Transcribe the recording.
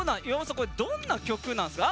これどんな曲なんですか？